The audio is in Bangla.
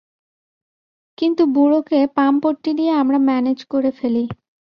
কিন্তু বুড়োকে পাম-পট্টি দিয়ে আমরা ম্যানেজ করে ফেলি।